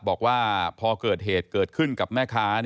บอกว่าพอเกิดเหตุเกิดขึ้นกับแม่ค้า